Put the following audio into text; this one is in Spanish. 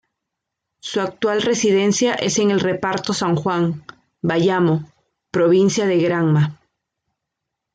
Su actual residencia es en el reparto San Juan, Bayamo, provincia de Granma.